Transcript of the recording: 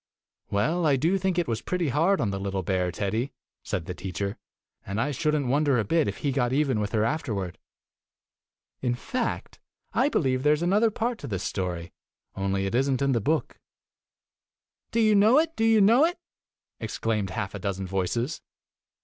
"Well, I do think it was pretty hard on the little bear, Teddy," said the teacher, "and I should n't wonder a bit if he got even with her afterward. In fact, I believe there is another part to this story, only it is n't in the book." "Do you know it? Do you know^it?" ex claimed half a dozen voices.